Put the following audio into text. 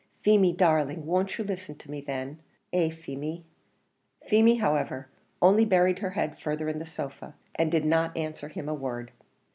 Feemy darling, won't you listen to me then? eh, Feemy?" Feemy, however, only buried her head further in the sofa, and did not answer him a word.